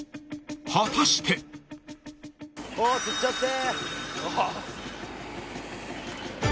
［果たして］お釣っちゃって。